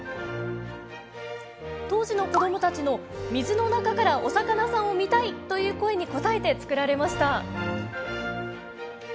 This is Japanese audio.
当時の子どもたちの水の中からお魚さんを見たいという声に応えて作られました。